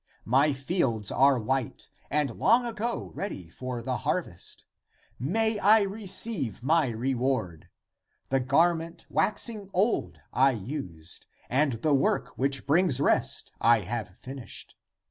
My fields are white and long ago ready for the harvest. May I receive my reward! The garment waxing old I used, and the work which brings rest I have finished.